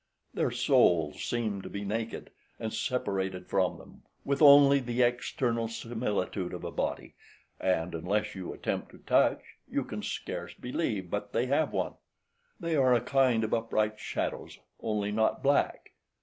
Their souls seem to be naked, and separated from them, with only the external similitude of a body, and unless you attempt to touch, you can scarce believe but they have one; they are a kind of upright shadows, only not black.